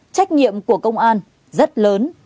trách nhiệm của công an rất lớn